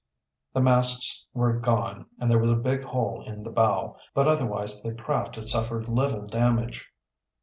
The masts were gone and there was a big hole in the bow, but otherwise the craft had suffered little damage.